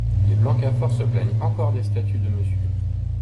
Les Blancafort se plaignent encore des statues de Monsieur.